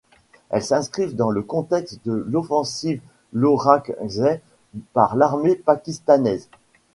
Elles s'inscrivent dans le contexte de l'offensive d'Orakzai par l'armée pakistanaise.